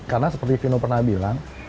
karena seperti vino pernah bilang